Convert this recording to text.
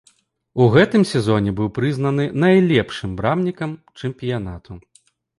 У гэтым сезоне быў прызнаны найлепшым брамнікам чэмпіянату.